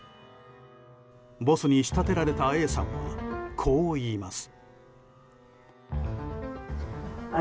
ボスに仕立てられたＡさんはこう言います。